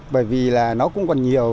bởi vì là nó cũng còn nhiều